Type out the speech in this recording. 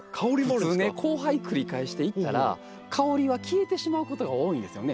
普通ね交配繰り返していったら香りは消えてしまうことが多いんですよね。